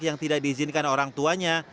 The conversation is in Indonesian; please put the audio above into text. yang tidak diizinkan orang tuanya